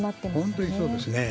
本当にそうですね。